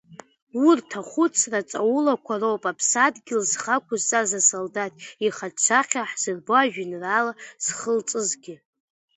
Урҭ ахәыцра ҵаулақәа роуп аԥсадгьыл зхы ақәызҵаз асолдаҭ ихаҿсахьа ҳзырбо, ажәеинраала зхылҵызгьы.